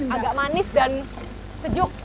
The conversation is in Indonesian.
agak manis dan sejuk